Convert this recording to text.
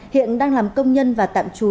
hiện đang làm công nhân và tạm trú